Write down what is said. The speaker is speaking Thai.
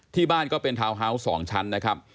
ที่บ้านก็เป็นทาวน์ฮาวส์๒ชั้นนะครับ